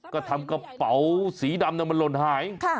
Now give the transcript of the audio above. ก็ทำกระเป๋าสีดำมันหล่นหาย